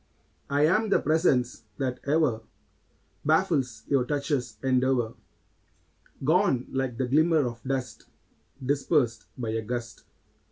I am the presence that ever Baffles your touch's endeavor, Gone like the glimmer of dust Dispersed by a gust.